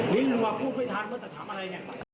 นี่รู้ว่าพูดไม่ทันก็จะถามอะไรเนี่ย